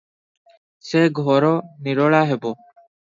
ସେ ଘର ନିରୋଳା ହେବ ।